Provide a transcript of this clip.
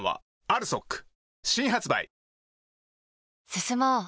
進もう。